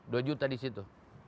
dua juta di situ